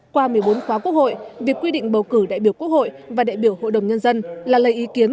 qua một mươi bốn khóa quốc hội việc quy định bầu cử đại biểu quốc hội và đại biểu hội đồng nhân dân là lấy ý kiến